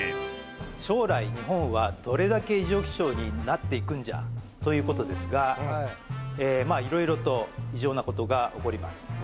将来日本はどれだけ異常気象になっていくんじゃ？ということですがまあ色々と異常なことが起こります